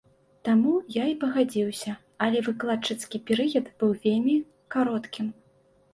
Таму я і пагадзіўся, але выкладчыцкі перыяд быў вельмі кароткім.